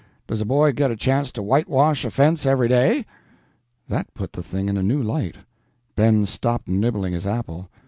Does a boy get a chance to whitewash a fence every day?" That put the thing in a new light. Ben stopped nibbling his apple.